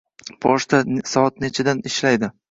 Pochta soat nechidan ishlaydi?